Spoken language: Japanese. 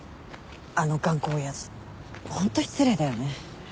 あの頑固親父ホント失礼だよね。